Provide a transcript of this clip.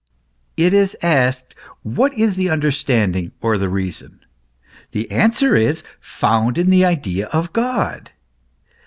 It is asked what is the understanding or the reason? The answer is found in the idea of God.